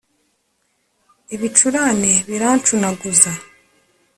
ibicurane birancunaguza